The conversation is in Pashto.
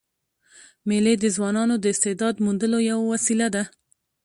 مېلې د ځوانانو د استعداد موندلو یوه وسیله ده.